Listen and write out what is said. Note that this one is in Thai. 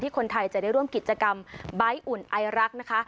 ที่คนไทยจะได้ร่วมกิจกรรมบ้ายอุ่นอายรักนะคะ